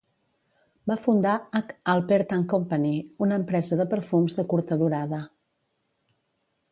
Va fundar H. Alpert and Company, una empresa de perfums de curta durada.